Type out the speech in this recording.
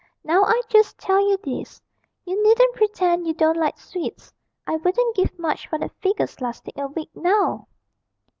Now I just tell you this you needn't pretend you don't like sweets I wouldn't give much for that figure's lasting a week, now!'